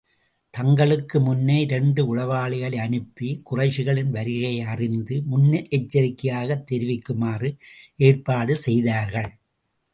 தங்களுக்கு முன்னே இரண்டு உளவாளிகளை அனுப்பி, குறைஷிகளின் வருகையை அறிந்து முன்னெச்சரிக்கையாகத் தெரிவிக்குமாறு ஏற்பாடு செய்தார்கள்.